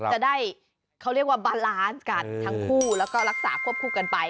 จะได้เขาเรียกว่าบาลานซ์กันทั้งคู่แล้วก็รักษาควบคู่กันไป